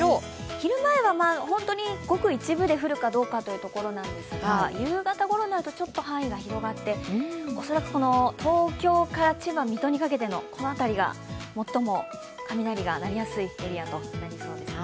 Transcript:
昼前はごく一部で降るかどうかというところなんですが夕方ごろになるとちょっと範囲が広がって、恐らく東京から千葉、水戸にかけての辺りが最も雷が鳴りやすいエリアとなりそうですね。